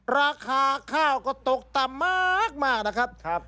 ราคาข้าวก็ตกต่ำมากนะครับ